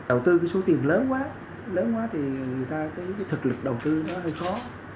đầu tư cái số tiền lớn quá lớn quá thì người ta cái thực lực đầu tư nó hơi khó